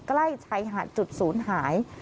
ใกล้ชายหาดจุดศูนย์หาย